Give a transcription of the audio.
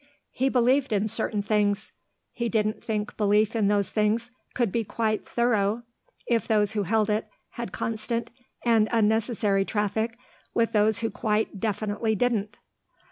He believed in certain things. He didn't think belief in those things could be quite thorough if those who held it had constant and unnecessary traffic with those who quite definitely didn't.